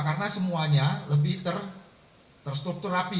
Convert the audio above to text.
karena semuanya lebih terstruktur rapi